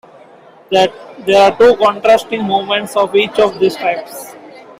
There are two contrasting movements of each of these types.